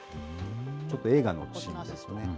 ちょっと映画のシーンみたいですね。